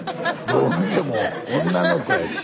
どう見ても女の子やし。